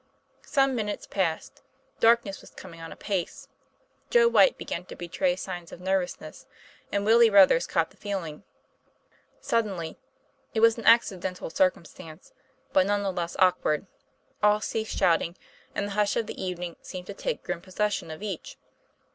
Some minutes passed, darkness was coming on apace. Joe Why to began to betray signs of nervousness, and Willie Ruthers caught the feeling. Suddenly it was an accidental circumstance, but none the less awkward all ceased shouting, and the hush of the evening seemed to take grim possession of each.